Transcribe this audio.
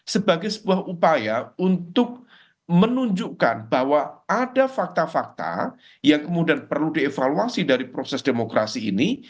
sebagai sebuah upaya untuk menunjukkan bahwa ada fakta fakta yang kemudian perlu dievaluasi dari proses demokrasi ini